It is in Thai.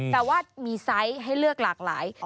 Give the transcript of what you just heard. แต่ว่ามีไซส์ให้เลือกหลากหลาย